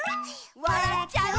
「わらっちゃう」